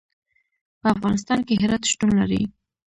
په افغانستان کې هرات شتون لري.